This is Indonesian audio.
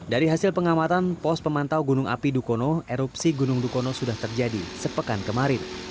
dari hasil pengamatan pos pemantau gunung api dukono erupsi gunung dukono sudah terjadi sepekan kemarin